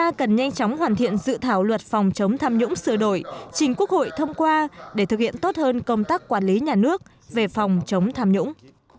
chúng ta cần nhanh chóng hoàn thiện dự thảo luật phòng chống tham nhũng sửa đổi trình quốc hội thông qua để thực hiện tốt hơn công tác quản lý nhà nước về phòng chống tham nhũng